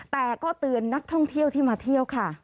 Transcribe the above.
แต่ก็เตือนนักท่องเที่ยวที่มาเที่ยวค่ะ